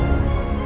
aku akan menang